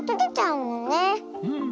うん。